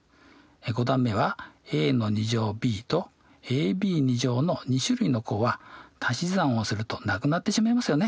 ５段目はａｂとａｂの２種類の項は足し算をするとなくなってしまいますよね。